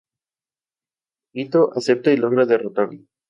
Ittō acepta, y logra derrotarlo.